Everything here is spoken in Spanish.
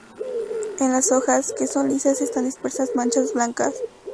En las hojas, que son lisas, están dispersas manchas blancas.